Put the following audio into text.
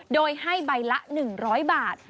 โดยให้ใบละ๑๐๐บาท